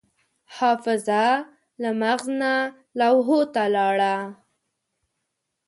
حافظه له مغز نه لوحو ته لاړه.